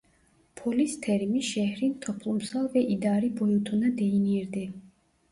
Polis terimi şehrin toplumsal ve idari boyutuna değinirdi.